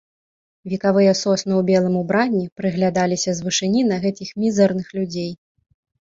Векавыя сосны ў белым убранні прыглядаліся з вышыні на гэтых мізэрных людзей.